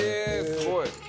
すごい。